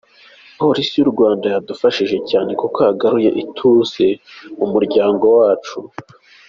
Polisi y’u Rwanda yadufashije cyane kuko yagaruye ituze mu muryango wacu.